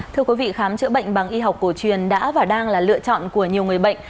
thưa quý vị khám chữa bệnh bằng y học cổ truyền đã và đang là lựa chọn của nhiều người bệnh